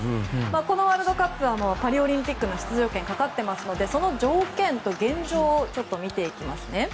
このワールドカップはパリオリンピックの出場権がかかっていますのでその条件と現状を見ていきますね。